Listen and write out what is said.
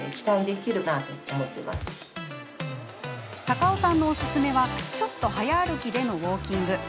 高尾さんのおすすめはちょっと早歩きでのウォーキング。